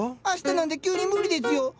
あしたなんて急に無理ですよ！